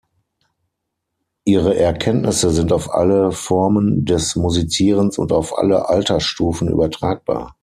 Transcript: Ihre Erkenntnisse sind auf alle Formen des Musizierens und auf alle Altersstufen übertragbar.